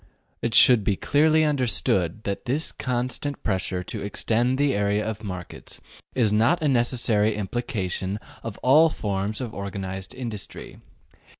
It should be clearly understood that this constant pressure to extend the area of markets is not a necessary implication of all forms of organized industry.